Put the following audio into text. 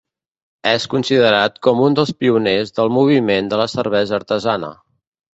És considerat com un dels pioners del moviment de la cervesa artesana.